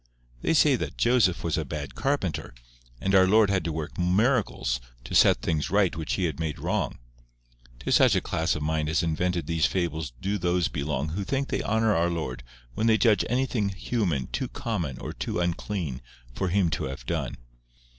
They say that Joseph was a bad carpenter, and our Lord had to work miracles to set the things right which he had made wrong! To such a class of mind as invented these fables do those belong who think they honour our Lord when they judge anything human too common or too unclean for Him to have done.